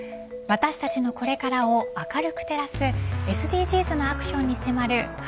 私たちのこれからを明るく照らすＳＤＧｓのアクションに迫る＃